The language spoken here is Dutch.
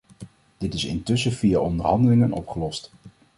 Dit is intussen via onderhandelingen opgelost.